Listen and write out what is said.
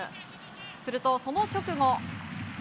するとその直後。